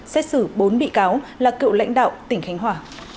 xét xử bốn bị cáo là cựu lãnh đạo tỉnh khánh hòa